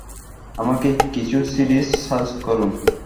আমাকে কিছু series suggest করুন।